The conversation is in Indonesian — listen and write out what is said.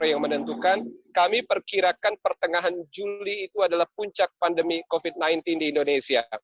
yang menentukan kami perkirakan pertengahan juli itu adalah puncak pandemi covid sembilan belas di indonesia